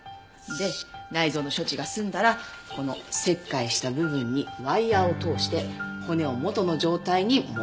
で内臓の処置が済んだらこの切開した部分にワイヤを通して骨を元の状態に戻す。